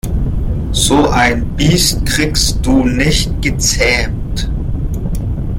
So ein Biest kriegst du nicht gezähmt.